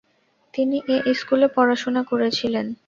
তিনি এ স্কুলে পড়াশোনা করেছিলেন।